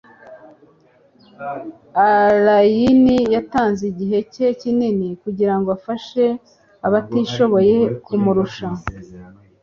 alain yitanze igihe cye kinini kugirango afashe abatishoboye kumurusha